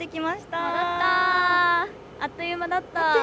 あっという間だったね。